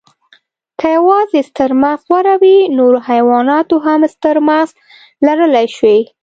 که یواځې ستر مغز غوره وی، نورو حیواناتو هم ستر مغز لرلی شوی.